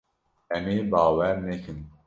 Em ê bawer nekin.